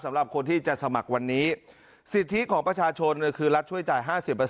สำหรับคนที่จะสมัครวันนี้สิทธิของประชาชนคือรัฐช่วยจ่าย๕๐